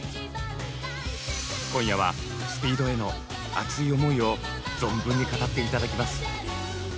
今夜はＳＰＥＥＤへの熱い思いを存分に語って頂きます。